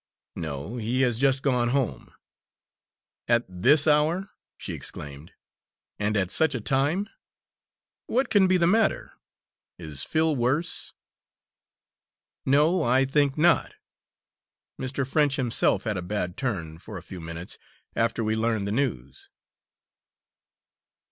"No, he has just gone home." "At this hour?" she exclaimed, "and at such a time? What can be the matter? Is Phil worse?" "No, I think not. Mr. French himself had a bad turn, for a few minutes, after we learned the news."